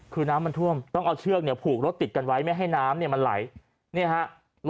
คือน้ำมันท่วมต้องเอาเชื่อกเนี่ยผูกรถติดกันไว้ไม่ให้น้ำมันไหล